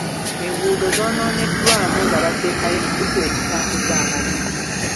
Enguudo zoonooneddwa mu nga bateekayo emikutu egitambuza amazzi.